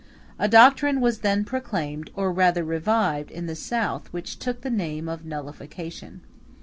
A doctrine was then proclaimed, or rather revived, in the South, which took the name of Nullification.